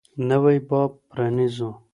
نوی باب پرانيزو.